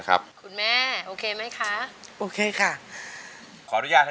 ร้องได้นะ